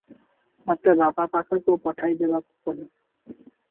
ମୋତେ ବାପା ପାଖକୁ ପଠାଇ ଦେବାକୁ କହେ ।